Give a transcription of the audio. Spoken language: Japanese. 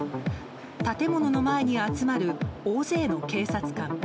建物の前に集まる大勢の警察官。